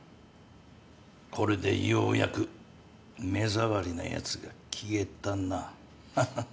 これでようやく目障りなやつが消えたな。ハハハ。